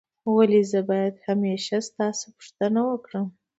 ولي زه باید همېشه ستاسو پوښتنه وکړم؟